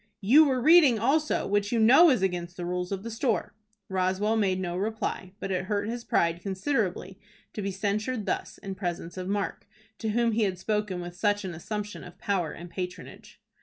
You were reading also, which you know is against the rules of the store." Roswell made no reply, but it hurt his pride considerably to be censured thus in presence of Mark, to whom he had spoken with such an assumption of power and patronage.